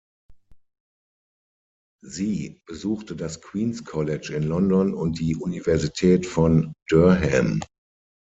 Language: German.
Sie besuchte das Queen’s College in London und die Universität von Durham.